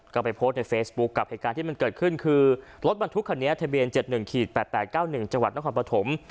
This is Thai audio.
ก็ไปโพสต์ในเฟซบุ๊กกับเหตุการณ์ที่มันเกิดขึ้นคือรถบรรทุกคันเนี้ยทะเบียนเจ็ดหนึ่งขีดแปดแปดเก้าหนึ่งจังหวัดนครปฐม